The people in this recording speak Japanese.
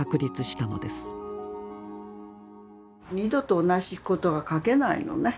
２度と同じことが描けないのね。